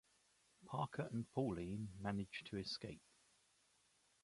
Parker and Pauline manage to escape.